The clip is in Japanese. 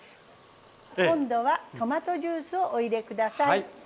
今度はトマトジュースをお入れ下さい。